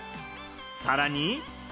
さらに。